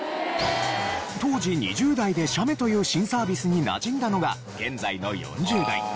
当時２０代で写メという新サービスになじんだのが現在の４０代。